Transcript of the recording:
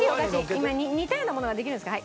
今似たようなものができるんですから。